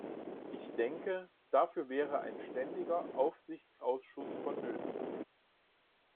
Ich denke, dafür wäre ein ständiger Aufsichtsausschuss vonnöten.